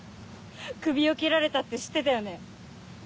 首を切られたって知ってたよね？